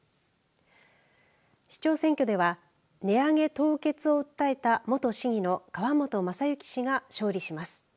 市長選挙では値上げ凍結を訴えた元市議の川本雅之氏が勝利します。